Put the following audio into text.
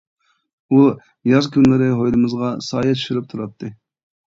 ئۇ ياز كۈنلىرى ھويلىمىزغا سايە چۈشۈرۈپ تۇراتتى.